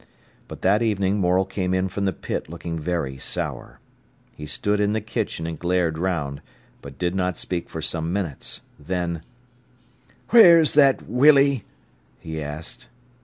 But that evening Morel came in from the pit looking very sour. He stood in the kitchen and glared round, but did not speak for some minutes. Then: "Wheer's that Willy?" he asked.